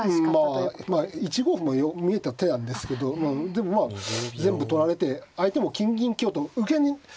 うんまあ１五歩も見えた手なんですけどでもまあ全部取られて相手も金銀香と受けの駒をね